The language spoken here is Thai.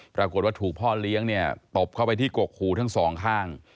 ปรากฏว่าถูกพ่อเลี้ยงเนี่ยตบเข้าไปที่กกหูทั้งสองข้าง